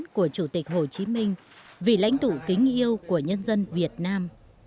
chủ tịch hồ chí minh vì lãnh thủ kính yêu của nhân dân việt nam